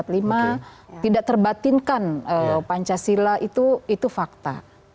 tidak terbatinkan pancasila itu fakta